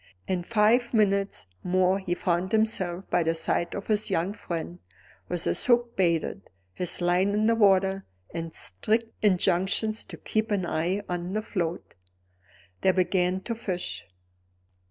In five minutes more he found himself by the side of his young friend with his hook baited, his line in the water, and strict injunctions to keep an eye on the float. They began to fish.